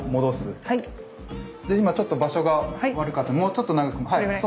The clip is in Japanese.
で今ちょっと場所が悪かったのでもうちょっと長くても。